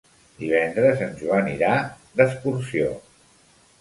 Divendres en Joan irà d'excursió.